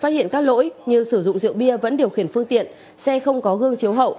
phát hiện các lỗi như sử dụng rượu bia vẫn điều khiển phương tiện xe không có gương chiếu hậu